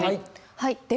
はい！